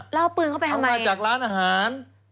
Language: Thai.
แล้วเอาปืนเข้าไปทำไมเอามาจากร้านอาหาร